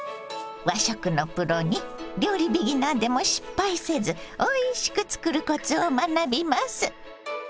和食のプロに料理ビギナーでも失敗せずおいしく作るコツを学びます！